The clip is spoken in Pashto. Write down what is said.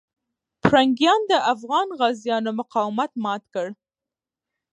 پرنګیان د افغان غازیانو مقاومت مات نه کړ.